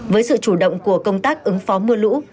với sự chủ động của công tác ứng phó mưa lũ